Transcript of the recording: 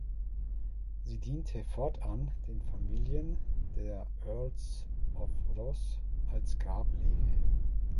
Sie diente fortan den Familien der Earls of Ross als Grablege.